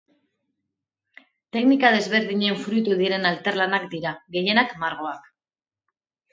Teknika desberdinen fruitu diren artelanak dira, gehienak margoak.